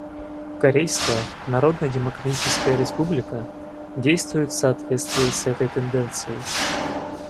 Корейская Народно-Демократическая Республика действует в соответствии с этой тенденцией.